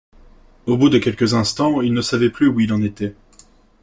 Au bout de quelques instants il ne savait plus où il en était.